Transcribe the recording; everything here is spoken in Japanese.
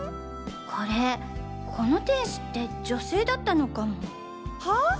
これこの天使って女性だったのかも。は？